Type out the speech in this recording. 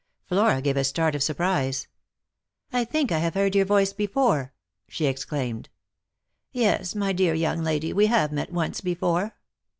Flora gave a start of surprise. " I think I have heard your voice before," she exclaimed. " Yes, my dear young lady, we have met once before."